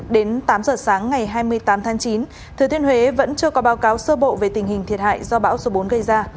đến tám giờ sáng ngày hai mươi tám tháng chín thừa thiên huế vẫn chưa có báo cáo sơ bộ về tình hình thiệt hại do bão số bốn gây ra